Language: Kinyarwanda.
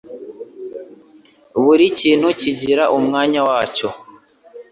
buri kintu kigira umwanya wacyo